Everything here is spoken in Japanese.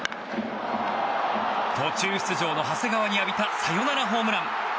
途中出場の長谷川に浴びたサヨナラホームラン。